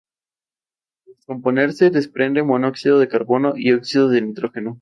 ¿ Dejar qué? Yo... ¿ qué quieres decir?